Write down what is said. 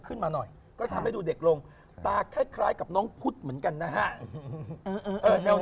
ขึ้นมาหน่อยก็ทำให้ดูเด็กลงตาคล้ายกับน้องพุทธเหมือนกันนะฮะ